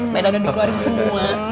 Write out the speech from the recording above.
mainannya dikeluarin semua